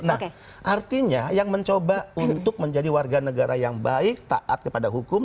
nah artinya yang mencoba untuk menjadi warga negara yang baik taat kepada hukum